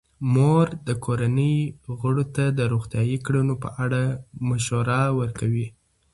مور د کورنۍ غړو ته د روغتیايي کړنو په اړه مشوره ورکوي.